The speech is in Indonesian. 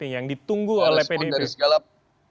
yang ditunggu oleh pdip